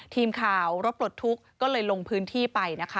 ทีมข่าวรถปลดทุกข์ก็เลยลงพื้นที่ไปนะคะ